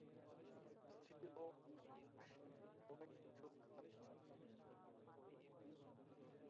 স্ত্রী ও পুরুষ উভয়ের চোখ কালচে বা লালচে-বাদামি।